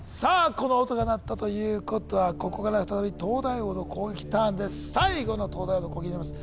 この音が鳴ったということはここから再び東大王の攻撃ターンです最後の東大王の攻撃になります